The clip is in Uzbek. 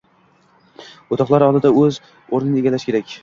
o‘rtoqlari oldida o‘z o‘rnini egallashi kerak.